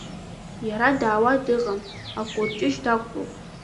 Иара даауа дыҟам, акәырҷыжь дақәтәоуп.